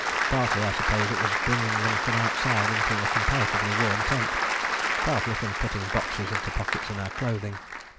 Partly I suppose it was bringing them from outside into a comparatively warm tent; partly from putting boxes into pockets in our clothing.